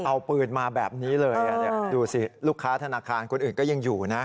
เอาปืนมาแบบนี้เลยดูสิลูกค้าธนาคารคนอื่นก็ยังอยู่นะ